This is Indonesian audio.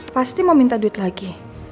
pasti mau minta duit lagi